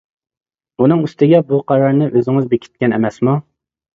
ئۇنىڭ ئۈستىگە بۇ قارارنى ئۆزىڭىز بېكىتكەن ئەمەسمۇ.